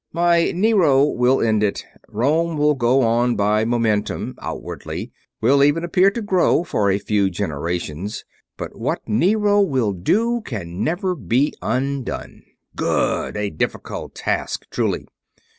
My Nero will end it. Rome will go on by momentum outwardly, will even appear to grow for a few generations, but what Nero will do can never be undone." "Good. A difficult task, truly."